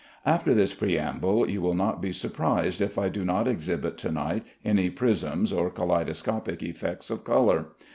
After this preamble you will not be surprised if I do not exhibit to night any prisms or kaleidoscopic effects of color.